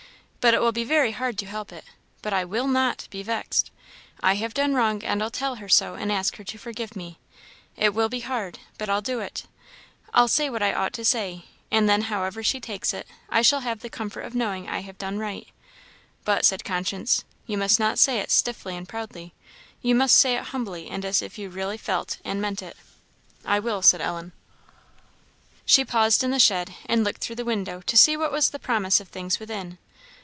But it will be very hard to help it; but I will not be vexed; I have done wrong, and I'll tell her so, and ask her to forgive me; it will be hard but I'll do it I'll say what I ought to say, and then, however she takes it, I shall have the comfort of knowing I have done right." "But," said conscience, "you must not say it stiffly and proudly; you must say it humbly and as if you really felt and meant it." "I will," said Ellen. She paused in the shed, and looked through the window, to see what was the promise of things within.